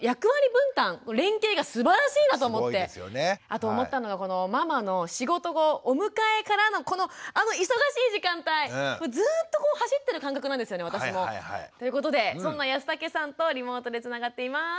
あと思ったのがママの仕事後お迎えからのこのあの忙しい時間帯ずっとこう走ってる感覚なんですよね私も。ということでそんな安武さんとリモートでつながっています。